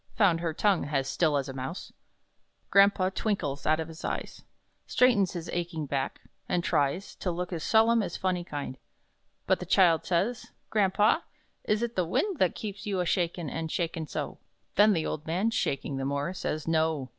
(Found her tongue, has Still as a Mouse.) Grandpa twinkles out of his eyes, Straightens his aching back, and tries To look as solemn as Phunny kind. But the child says: "Grampa, is it the wind That keeps you a shakin' an' shakin' so?" Then the old man, shaking the more, says: "No!